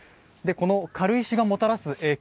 この軽石がもたらす影響